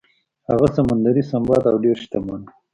هغه سمندري سنباد و او ډیر شتمن و.